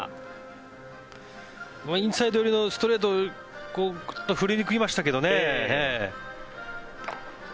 インサイド寄りのストレートをグッと振り抜きましたけど。